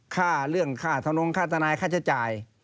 ค่าเรื่องค่าทะนงค่าทนายค่าใช้จ่าย